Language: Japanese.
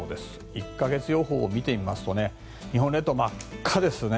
１か月予報を見てみますと日本列島、真っ赤ですね。